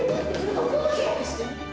ここを速くして。